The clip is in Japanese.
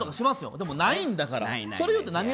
でもないんだから。